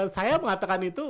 saya mengatakan itu